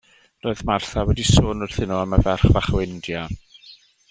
Roedd Martha wedi sôn wrthyn nhw am y ferch fach o India.